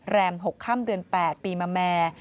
แรม๖ค่ำเดือน๘ปีมาแม่